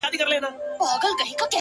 په شاهدۍ به نور هیڅکله آسمان و نه نیسم’